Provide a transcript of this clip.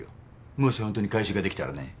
もしほんとに回収ができたらね。